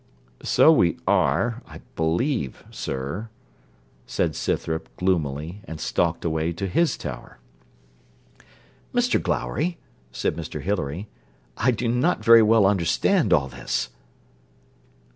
'So we are, I believe, sir,' said Scythrop, gloomily, and stalked away to his tower. 'Mr Glowry,' said Mr Hilary, 'I do not very well understand all this.'